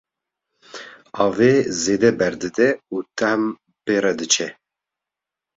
avê zêde ber dide û tehm pê re diçe.